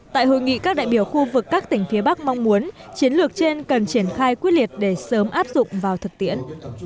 tại hội nghị các đại biểu khu vực các tỉnh phía bắc mong muốn chiến lược trên cần triển khai quyết liệt để sớm áp dụng vào thực tiễn